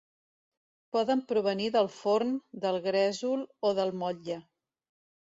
Poden provenir del forn, del gresol o del motlle.